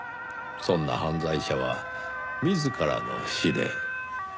「そんな犯罪者は自らの死で」。